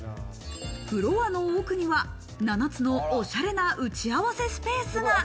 フロアの奥には、７つのおしゃれな打ち合わせスペースが。